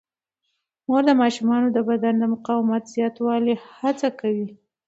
مور د ماشومانو د بدن د مقاومت زیاتولو هڅه کوي.